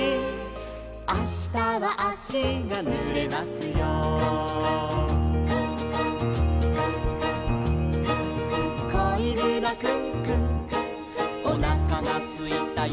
「『あしたはあしがぬれますよ』」「こいぬのクンクンおなかがすいたよ」